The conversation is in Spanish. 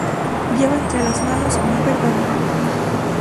Lleva entre las manos un pergamino.